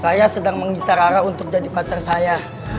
saya sedang menggita rara untuk jadi pacar saya